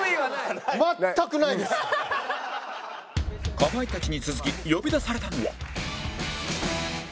かまいたちに続き呼び出されたのは